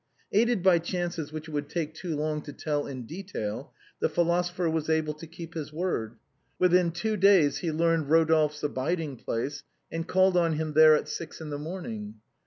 Aided by chances which it would take too long to tell in detail, the philosopher was able to keep his word. Within 153 154 THE BOHEMIANS OF THE LATIN QUARTER. two days he learned Kodolphe's abiding place, and called on him there at six in the morning.